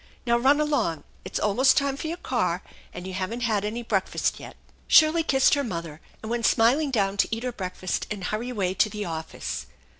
Now run along. It's almost time for your car, and you haven't had any breakfast yet." Shirley kissed her mother, and went smiling down to eat her breakfast and hurry away to the office.